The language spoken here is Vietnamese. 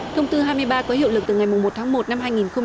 thông tư hai mươi ba có hiệu lực từ ngày một tháng một năm hai nghìn hai mươi